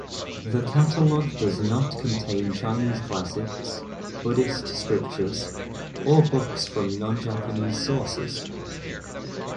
The catalog does not contain Chinese classics, Buddhist scriptures, or books from non-Japanese sources.